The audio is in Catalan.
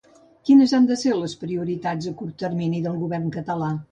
Quines han de ser les prioritats a curt termini del govern català?